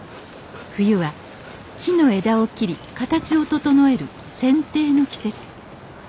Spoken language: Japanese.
冬は木の枝を切り形を整える剪定の季節。